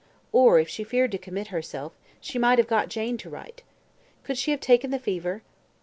Or, if she feared to commit herself, she might have got Jane to write. Could she have taken the fever?